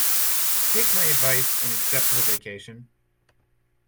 Take my advice and accept the vacation.